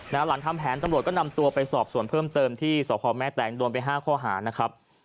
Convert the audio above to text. หลังทำแผนตำรวจก็นำตัวไปสอบส่วนเพิ่มเติมที่สพแม่แตงโดนไป๕ข้อหานะครับ